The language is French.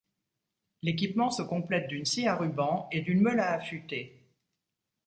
L'équipement se complète d'une scie à ruban et d'une meule à affûter.